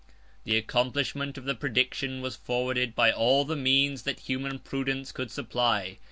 114 The accomplishment of the prediction was forwarded by all the means that human prudence could supply.